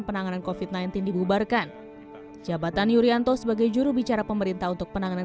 penanganan kofit sembilan belas dibubarkan jabatan yuryanto sebagai jurubicara pemerintah untuk penanganan